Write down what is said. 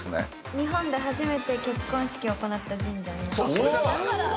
日本で初めて結婚式を行った神社になります。